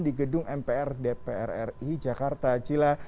di gedung mpr dpr ri jakarta cila